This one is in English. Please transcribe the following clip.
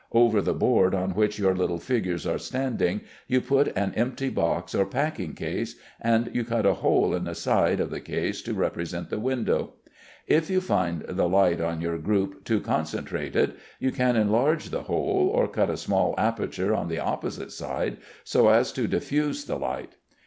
Over the board on which your little figures are standing, you put an empty box or packing case, and you cut a hole in the side of the case, to represent the window. If you find the light on your group too concentrated, you can enlarge the hole, or cut a small aperture on the opposite side, so as to diffuse the light.